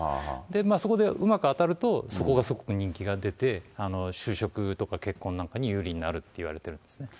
そこでうまく当たると、そこがすごく人気が出て、就職とか結婚なんかに有利になるっていわれてるんですね。